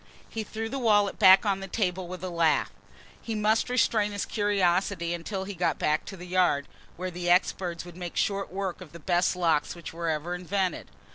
He threw the wallet back on the table with a laugh. He must restrain his curiosity until he got back to the Yard, where the experts would make short work of the best locks which were ever invented.